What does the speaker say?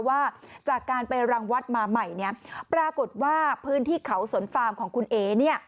ว่าจากการไปรังวัดมาใหม่ปรากฏว่าพื้นที่เขาสนฟาร์มของคุณเอ๋เนี่ย